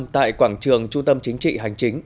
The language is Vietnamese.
tại quảng trường trung tâm chính trị hành chính